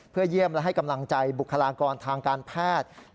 เพื่อเยี่ยมและให้กำลังใจบุคลากรทางการแพทย์